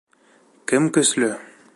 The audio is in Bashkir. КЕМ КӨСЛӨ?